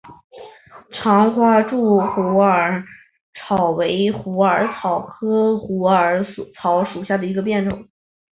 长花柱虎耳草为虎耳草科虎耳草属下的一个变种。